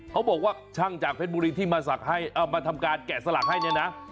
บอกว่าช่างจากเพชรบุรีที่มาทำการแกะสลักให้เนี่ยนะ